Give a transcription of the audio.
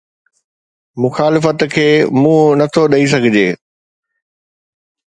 مخالفت کي منهن نه ٿو ڏئي سگهجي